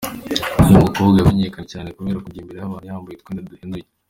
Uyu mukobwa yamenyekanye cyane kubera kujya imbere y’abantu yambaye utwenda duhenuye .